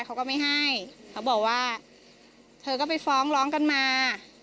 เขาก็ไม่ให้เขาบอกว่าเธอก็ไปฟ้องร้องกันมา